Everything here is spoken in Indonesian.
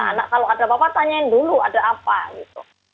anak kalau ada apa apa tanyain dulu ada apa gitu